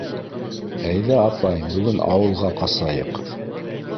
— Әйҙә, апай, бөгөн ауылға ҡасайыҡ.